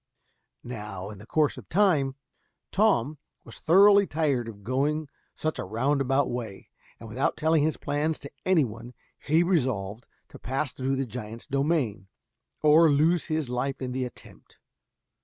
Now, in the course of time, Tom was thoroughly tired of going such a roundabout way, and without telling his plans to any one, he resolved to pass through the giant's domain, or lose his life in the attempt.